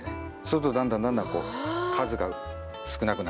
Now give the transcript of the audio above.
するとだんだんだんだんこう数が少なくなってきますんで。